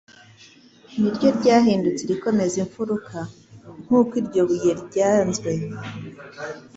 niryo ryahindutse irikomeza imfiruka.» Nk'uko iryo buye ryanzwe,